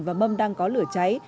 và mâm đang có lửa cháy